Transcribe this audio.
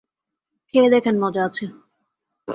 খেয়ে দেখেন মজা আছে।